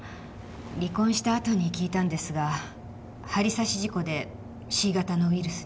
離婚したあとに聞いたんですが針刺し事故でＣ型のウイルスに。